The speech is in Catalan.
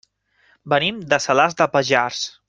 Venim de Salàs de Pallars.